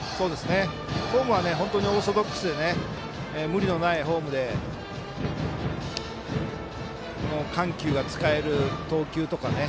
フォームはオーソドックスで無理のないフォームで緩急が使える投球とかね。